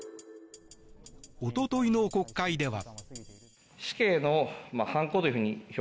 おとといの国会では。